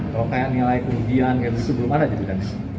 kalau kayak nilai kemudian itu belum ada gitu kan